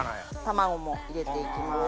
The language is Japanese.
卵も入れて行きます。